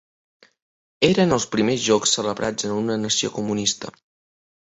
Eren els primers Jocs celebrats en una nació comunista.